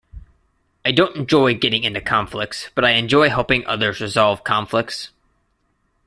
I don't enjoy getting into conflicts, but I enjoy helping others resolve conflicts.